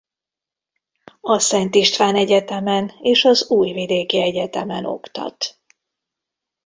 A Szent István Egyetemen és az Újvidéki Egyetemen oktat.